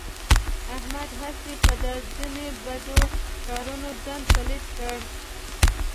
احمد هسې په دا ځنې بدو کارونو ځان پلیت کړ.